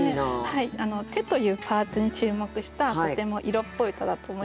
手というパーツに注目したとても色っぽい歌だと思いました。